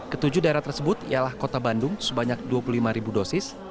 ketujuh daerah tersebut ialah kota bandung sebanyak dua puluh lima ribu dosis